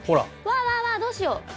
わーわーわーどうしよう？